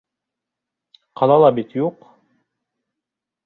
Ҡалала бит юҡ!